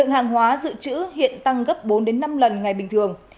hàng hóa dự trữ hiện tăng gấp bốn năm lần ngày bình thường